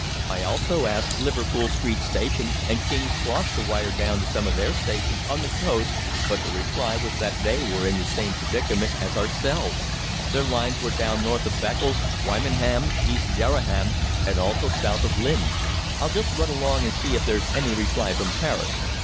"I also asked Liverpool Street Station and King's Cross to wire down to some of their stations on the coast, but the reply was that they were in the same predicament as ourselves their lines were down north of Beccles, Wymondham, East Dereham, and also south of Lynn. I'll just run along and see if there's any reply from Paris.